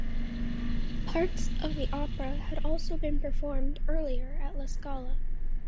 Parts of the opera had also been performed earlier at La Scala.